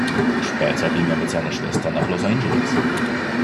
Später ging er mit seiner Schwester nach Los Angeles.